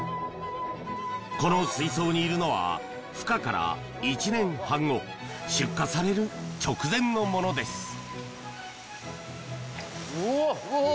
この水槽にいるのはふ化から１年半後出荷される直前のものです。